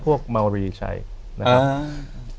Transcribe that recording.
พวกเมาหลีใช้นะครับ